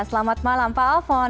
selamat malam pak alfon